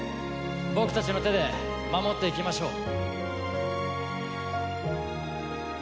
僕たちの手で守っていきましょう。